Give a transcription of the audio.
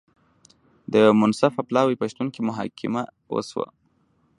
د یوه منصفه پلاوي په شتون کې محاکمه وشوه.